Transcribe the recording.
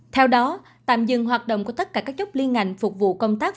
theo đó tạm dừng hoạt động của tất cả các chốt liên ngành phục vụ công tác